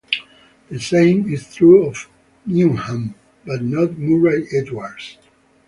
The same is true of Newnham, but not Murray Edwards.